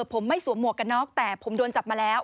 ผมไม่สวมหมวกกันน็อกแต่ผมโดนจับมาแล้ว